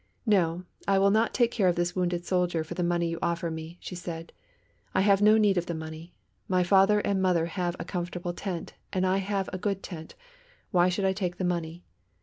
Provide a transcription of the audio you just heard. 'No, I will not take care of this wounded soldier for the money you offer me,' she said; 'I have no need of the money. My father and mother have a comfortable tent, and I have a good tent; why should I take the money?